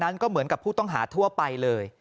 นั้นก็เหมือนกับผู้ต้องหาทั่วไปเลย